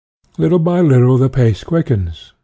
Little by little the pace quickens.